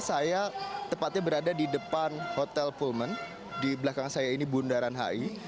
saya tepatnya berada di depan hotel pullman di belakang saya ini bundaran hi